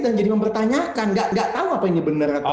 dan jadi mempertanyakan nggak tau apa ini bener atau nggak